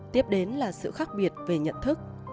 tiếp đến là sự khác biệt về nhận thức